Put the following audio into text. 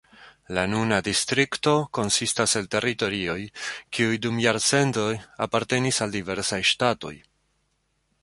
La nuna distrikto konsistas el teritorioj, kiuj dum jarcentoj apartenis al diversaj ŝtatoj.